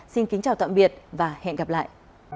xin kính chào tạm biệt và hẹn gặp lại